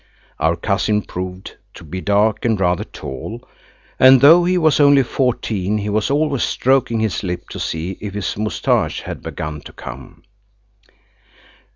Our cousin proved to be dark and rather tall, and though he was only fourteen he was always stroking his lip to see if his moustache had begun to come.